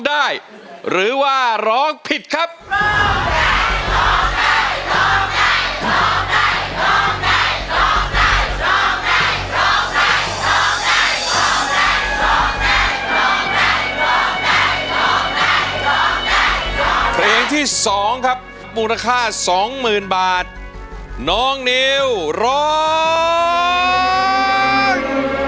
แม่ให้ฟันถึงฟันถึงฟันถึงฟัน